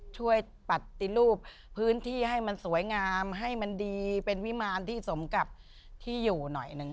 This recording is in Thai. ช่วยปฏิรูปพื้นที่ให้มันสวยงามให้มันดีเป็นวิมารที่สมกับที่อยู่หน่อยหนึ่ง